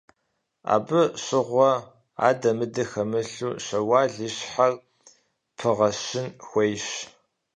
Абы щыгъуэ адэ-мыдэ хэмылъу Щэуал и щхьэр пыгъэщын хуейщ.